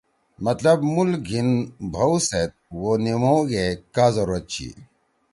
مطلب مُول گھیِن بھؤ سیت او نیِمؤ گے کا ضرورت چھی۔